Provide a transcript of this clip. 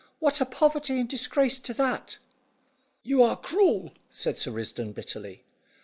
What are poverty and disgrace to that?" "You are cruel," said Sir Risdon bitterly.